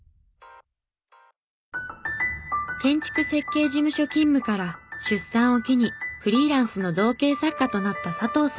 建築設計事務所勤務から出産を機にフリーランスの造形作家となった佐藤さん。